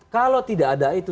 kalau tidak ada itu